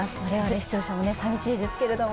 視聴者も寂しいですけれども。